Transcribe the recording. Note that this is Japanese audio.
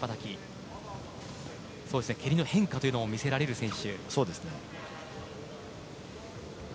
蹴りの変化というのも見せられる選手。